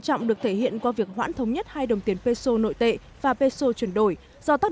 trọng được thể hiện qua việc hoãn thống nhất hai đồng tiền peso nội tệ pha peso chuyển đổi do tác